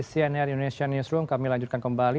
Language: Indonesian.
cnn indonesia newsroom kami lanjutkan kembali